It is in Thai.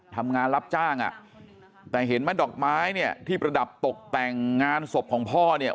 ทำงานรับจ้างอ่ะแต่เห็นไหมดอกไม้เนี่ยที่ประดับตกแต่งงานศพของพ่อเนี่ย